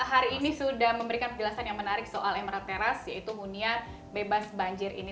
hari ini sudah memberikan penjelasan yang menarik soal emerald teras yaitu hunian bebas banjir ini